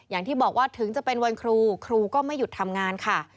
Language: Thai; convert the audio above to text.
อย่างที่บอกว่าถึงจะเป็นวันครูครูก็ไม่หยุดทำงานค่ะ